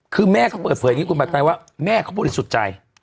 คือแม่เขาเปิดเผยอย่างนี้คุณปัจจัยว่าแม่เขาบริสุทธิ์ใจ